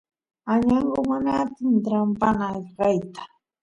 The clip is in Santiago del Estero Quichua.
añangu mana atin trampaan ayqeyta